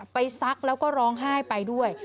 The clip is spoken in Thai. ซักแล้วก็ร้องไห้ไปด้วย